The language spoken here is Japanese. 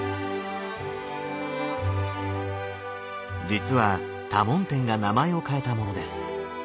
実は多聞天が名前を変えたものです。